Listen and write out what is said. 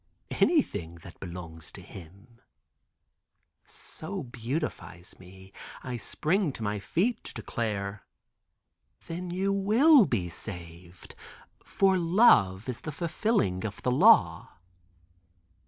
"Anything that belongs to Him," so beatifies me I spring to my feet to declare: "Then you will be saved, for love is the fulfilling of the law."